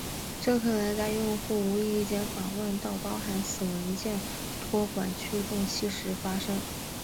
这可能在用户无意间访问到包含此文件的托管驱动器时发生。